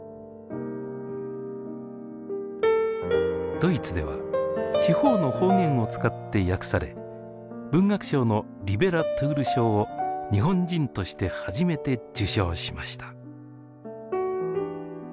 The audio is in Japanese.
ドイツでは地方の方言を使って訳され文学賞のリベラトゥール賞を日本人として初めて受賞しました。